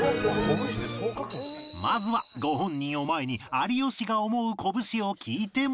まずはご本人を前に有吉が思うこぶしを聴いてもらう